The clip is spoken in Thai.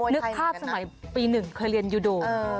นึกภาพสมัยปี๑เคยเรียนยูโด